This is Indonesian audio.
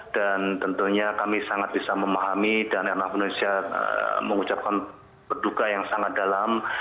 dan tentunya kami sangat bisa memahami dan airnav indonesia mengucapkan perduka yang sangat dalam